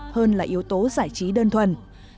hơn là yếu tố giải trí đơn thuần